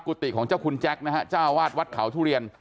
ติของเจ้าคุณแจ็คนะฮะเจ้าวาดวัดเขาทุเรียน